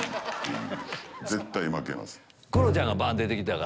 絶対負けます。